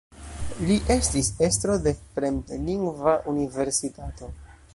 Li estis estro de Fremdlingva Universitato.